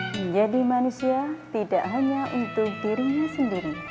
menjadi manusia tidak hanya untuk dirinya sendiri